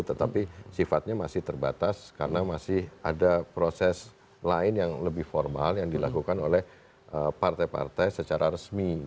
tetapi sifatnya masih terbatas karena masih ada proses lain yang lebih formal yang dilakukan oleh partai partai secara resmi